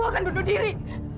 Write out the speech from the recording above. atau aku akan bunuh diri